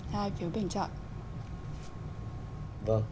hai phiếu bình chọn